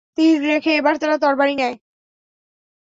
তীর রেখে এবার তারা তরবারি নেয়।